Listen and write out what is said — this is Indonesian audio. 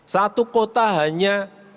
satu kota hanya